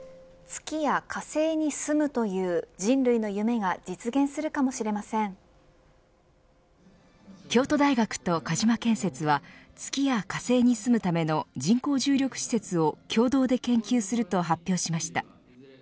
月や火星に住むという人類の夢が京都大学と鹿島建設は月や火星に住むための人工重力施設を共同で研究すると発表しました。